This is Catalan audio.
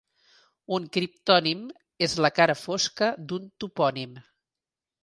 Un criptònim és la cara fosca d'un topònim.